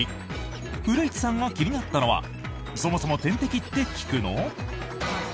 古市さんが気になったのはそもそも点滴って効くの？